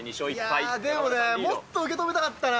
もっと受け止めたかったな。